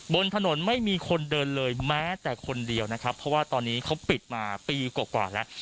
บนถนนไม่มีคนเดินเลยแม้แต่คนเดียวนะครับเพราะว่าตอนนี้เขาปิดมาปีกว่าแล้ว